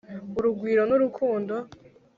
urugwiro n'urukundo